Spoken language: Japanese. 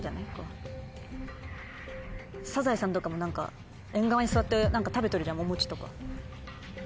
『サザエさん』とかも縁側に座って食べとるじゃんお餅とか。